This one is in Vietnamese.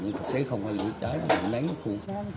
nhưng thực tế không phải lửa trái nó là nắng khô